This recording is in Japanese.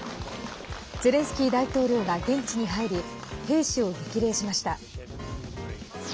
ゼレンスキー大統領が現地に入り兵士を激励しました。